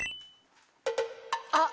あっ。